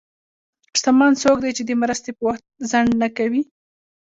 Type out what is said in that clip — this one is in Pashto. شتمن څوک دی چې د مرستې په وخت کې ځنډ نه کوي.